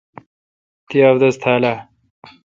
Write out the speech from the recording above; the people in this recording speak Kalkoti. تی ابدس تھال اہ؟